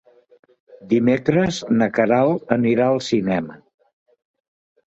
Dimecres na Queralt anirà al cinema.